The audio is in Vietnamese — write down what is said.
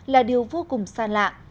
là điều vô cùng xa lạ